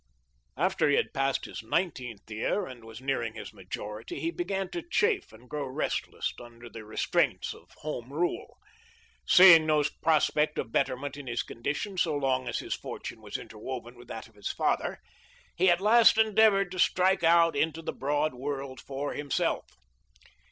After he had passed his nineteenth year and was nearing his majority he began to chafe and grow restless under the restraints of home rule. Seeing no prospect of betterment in his condition, so long as his fortune was interwoven with that of his father, he at last endeavored to strike out into the broad world for himself.